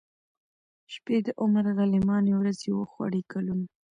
شپې د عمر غلیماني ورځي وخوړې کلونو